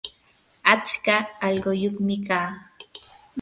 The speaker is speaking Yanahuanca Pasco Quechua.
atska allquyuqmi kaa.